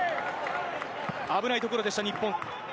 危ないところでした、日本。